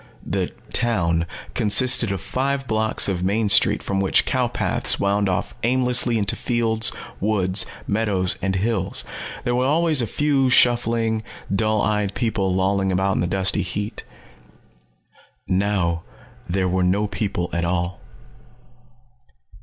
The 'town' consisted of five blocks of main street from which cow paths wound off aimlessly into fields, woods, meadows and hills. There was always a few shuffling, dull eyed people lolling about in the dusty heat. Now there were no people at all.